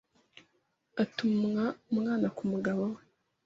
atumwa umwana ku mugabo we,